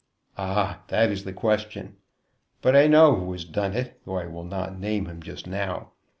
"Ah, that is the question. But I know who has done it, though I will not name him just now.